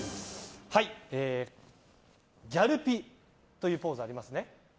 ギャルピというポーズありますね。